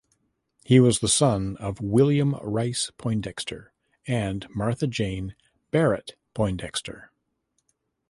He was the son of William Rice Poindexter and Martha Jane (Barrett) Poindexter.